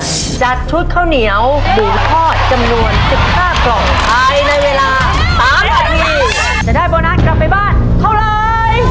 จัดชุดข้าวเหนียวบุหร่าพอดจำนวน๑๕กล่อง